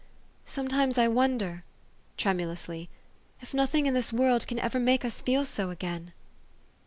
" Sometimes I wonder," tremulously, " if no thing in this world can ever make us feel so again."